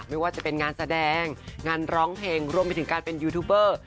ไม่ว่าจะเป็นงานแสดงงานร้องเพลงรวมไปถึงการเป็นยูทูบเบอร์